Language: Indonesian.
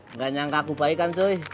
nggak nyangka aku baik kan joy